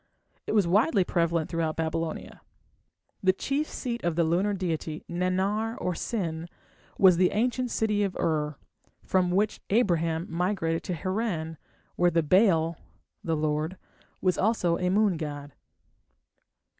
It was widely prevalent throughout Babylonia. The chief seat of the lunar deity, Nannar or Sin, was the ancient city of Ur, from which Abraham migrated to Harran, where the "Baal" (the lord) was also a moon god.